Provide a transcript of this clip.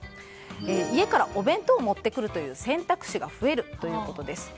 家からお弁当を持ってくるという選択肢が増えるということです。